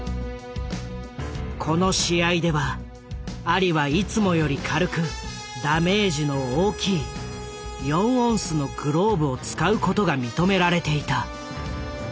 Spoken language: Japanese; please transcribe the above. この試合ではアリはいつもより軽くダメージの大きい４オンスのグローブを使うことが認められていた。